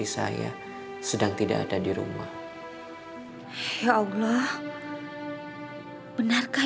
saya berdosa mbak